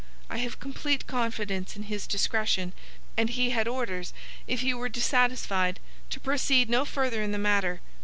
I have complete confidence in his discretion, and he had orders, if he were dissatisfied, to proceed no further in the matter.